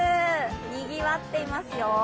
にぎわっていますよ。